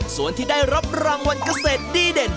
ส่วนที่ได้รับรางวัลเกษตรดีเด่น